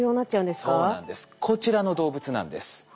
こちらの動物なんです。